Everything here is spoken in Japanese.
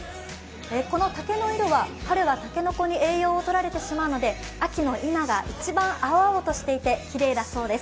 この竹の色は春は竹の子に栄養をとられてしまうので、秋の今が一番青々としていてきれいだそうです。